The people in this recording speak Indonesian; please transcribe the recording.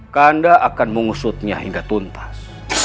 kanda akan mengusutnya hingga tuntas